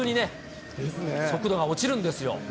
急にね、速度が落ちるんですよ。